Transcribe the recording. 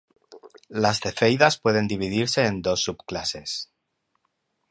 Las cefeidas pueden dividirse en dos subclases.